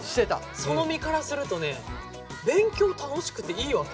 その身からするとね勉強楽しくていいわけ？と思っちゃう。